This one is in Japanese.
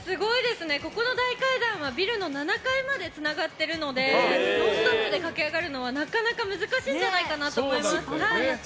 ここの大階段はビルの７階までつながっているのでノンストップで駆け上がるのは、なかなか難しいんじゃないかと思います。